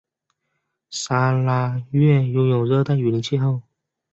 砂拉越拥有热带雨林气候。